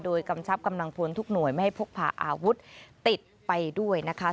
โดยกำชับกำลังพลทุกหน่วยไม่ให้พกพาอาวุธติดไปด้วยนะคะ